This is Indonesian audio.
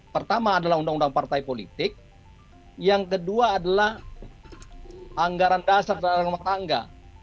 pertama adalah undang undang partai politik yang kedua adalah anggaran dasar dan anggaran rumah tangga